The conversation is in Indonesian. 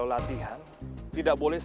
aku pasti cara mungkin ibu tahu